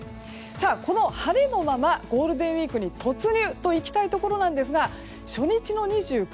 この晴れのままゴールデンウィークに突入といきたいところなんですが初日の２９日。